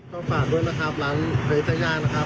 ก็ฝากด้วยนะครับร้านเจ๊ย่างนะครับ